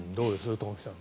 東輝さん